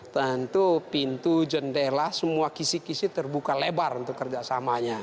tentu pintu jendela semua kisi kisi terbuka lebar untuk kerjasamanya